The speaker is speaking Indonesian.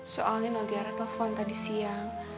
soalnya no tiara telepon tadi siang